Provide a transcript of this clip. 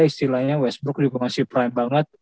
istilahnya westbrook juga masih prime banget